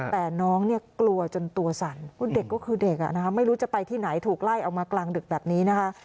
แต่น้องเนี่ยกลัวจนตัวสั่นเด็กก็คือเด็กไม่รู้จะไปที่ไหนถูกไล่เอามากลางดึกแบบนี้นะคะ